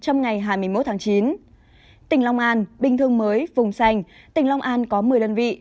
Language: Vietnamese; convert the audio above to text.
trong ngày hai mươi một tháng chín tỉnh long an bình thường mới vùng xanh tỉnh long an có một mươi đơn vị